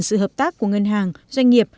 sự hợp tác của ngân hàng doanh nghiệp